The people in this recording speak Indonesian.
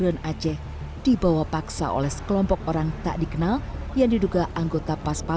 ternyata lama lama kemudian pada selentingan bahwa dia itu